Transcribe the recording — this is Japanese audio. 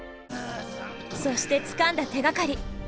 そしてつかんだ手がかり。